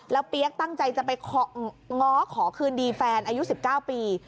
เปี๊ยกตั้งใจจะไปง้อขอคืนดีแฟนอายุ๑๙ปี